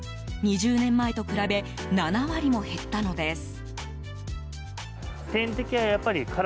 ２０年前と比べ７割も減ったのです。